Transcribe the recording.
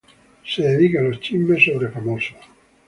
Se dedica a los chismes sobre famosos.